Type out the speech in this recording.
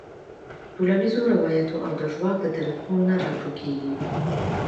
ټولنیزو رواياتو او د ژواک د طريقو نه راټوکيږي -